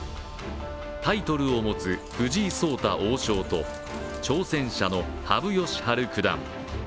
タイトルを持つ藤井聡太王将と挑戦者の羽生善治九段。